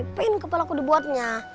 apa yang kepala aku dibuatnya